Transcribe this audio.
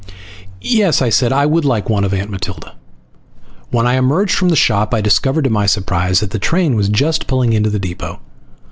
"Yes," I said. "I would like one of Aunt Matilda." When I emerged from the shop I discovered to my surprise that the train was just pulling into the depot.